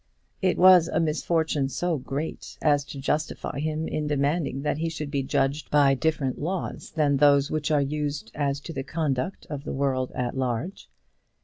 It was a misfortune so great as to justify him in demanding that he should be judged by different laws than those which are used as to the conduct of the world at large.